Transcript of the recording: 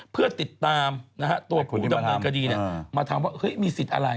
เพื่อติดตามตัวผู้ดำเนินคดีมาถามว่ามีสิทธิ์อะไร